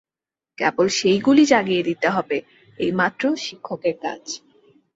কেবল সেইগুলি জাগিয়ে দিতে হবে, এইমাত্র শিক্ষকের কাজ।